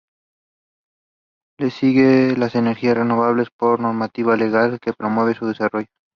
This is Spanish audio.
Le siguen las energías renovables por normativa legal que promueve su desarrollo.